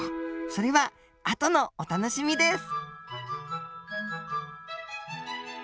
それはあとのお楽しみです！